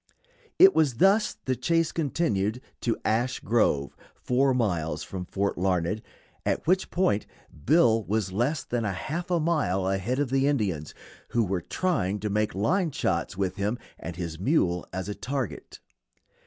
It was thus the chase continued to Ash Grove, four miles from Fort Larned, at which point Bill was less than half a mile ahead of the Indians, who were trying to make line shots with him and his mule as a target.